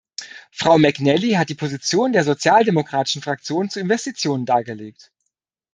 Frau Mc Nally hat die Position der sozialdemokratischen Fraktion zu Investitionen dargelegt.